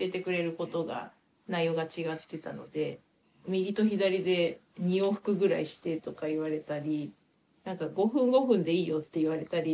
「右と左で２往復ぐらいして」とか言われたり「５分５分でいいよ」って言われたり。